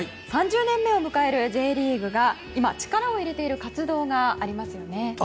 ３０年目を迎えるＪリーグが今力を入れている活動がありますよね。